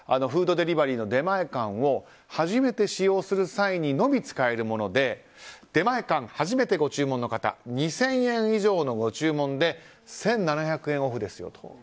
フードデリバリーの出前館を初めて使用する際にのみ使えるもので出前館初めてご注文の方２０００円以上のご注文で１７００円オフですよと。